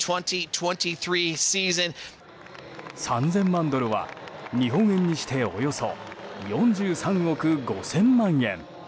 ３０００万ドルは日本円にしておよそ４３億５０００万円。